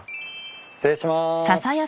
失礼します。